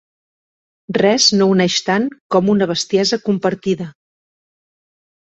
Res no uneix tant com una bestiesa compartida.